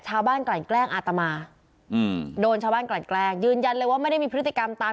กลั่นแกล้งอาตมาโดนชาวบ้านกลั่นแกล้งยืนยันเลยว่าไม่ได้มีพฤติกรรมตาม